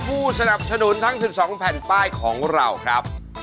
ผู้สนับสนุนทั้ง๑๒แผ่นป้ายของเราครับ